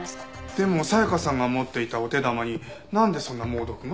でも紗香さんが持っていたお手玉になんでそんな猛毒が？